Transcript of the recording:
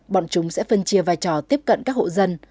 bọn chúng sẽ phân chia vai trò tiếp cận các hộ dân